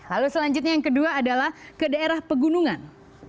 lalu selanjutnya yang kedua adalah ke daerah pegunungan